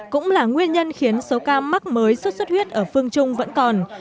cũng là nguyên nhân khiến số ca mắc mới xuất xuất huyết ở phương trung vẫn còn